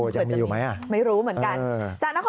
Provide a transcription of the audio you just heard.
จะมีอยู่ไหมไม่รู้เหมือนกันจ้ะนคร